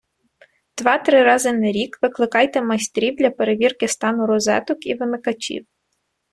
Два-три рази на рік викликайте майстрів для перевірки стану розеток і вимикачів